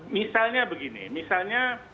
misalnya begini misalnya